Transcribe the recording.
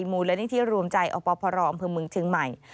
หมู่และนิทิศรวมใจอปพรอมพเมืองเชียงใหม่